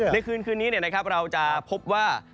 ในคืนเนี้ยนะครับเราจะพบว่า